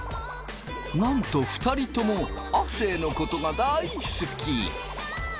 なんと２人とも亜生のことが大好き。